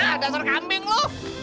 hah dasar kambing lo